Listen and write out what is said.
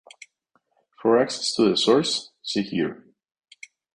For access to the source, see here.